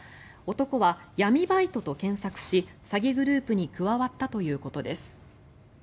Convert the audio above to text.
男は闇バイトと検索し詐欺グループに加わったということです。